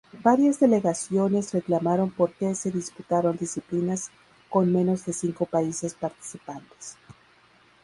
Varias delegaciones reclamaron porque se disputaron disciplinas con menos de cinco países participantes.